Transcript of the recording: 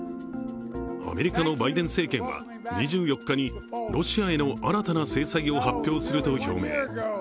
アメリカのバイデン政権は２４日にロシアへの新たな制裁を発表すると表明。